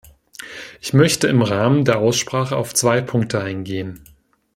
Ich möchte im Rahmen der Aussprache auf zwei Punkte eingehen.